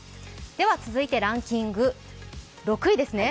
続いてランキング、６位ですね。